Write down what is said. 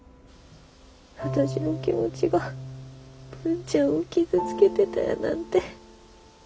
私の気持ちが文ちゃんを傷つけてたやなんて。